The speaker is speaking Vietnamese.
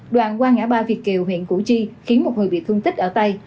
đoạn qua ngã ba việt kiều huyện củ chi khiến một người bị thương tích ở tay